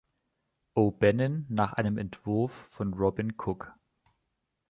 O'Bannon, nach einem Entwurf von Robin Cook.